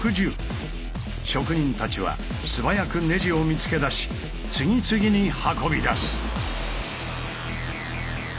職人たちは素早くネジを見つけ出し次々に運び出す。